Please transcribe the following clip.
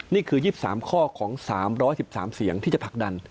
นี่คือ๒๓ข้อของ๓๑๓เสียงที่จะผลักดัน